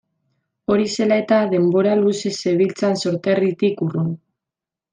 Hori zela eta, denbora luzez zebiltzan sorterritik urrun.